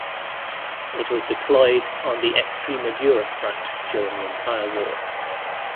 It was deployed on the Extremadura front during the entire war.